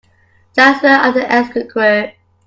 Chancellor of the Exchequer